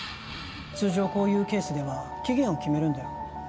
通常こういうケースでは期限を決めるんだよ